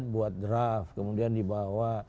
buat draft kemudian dibawa